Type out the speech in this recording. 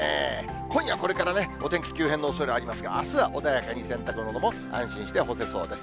今夜これからね、お天気急変のおそれありますが、あすは穏やかに洗濯物も安心して干せそうです。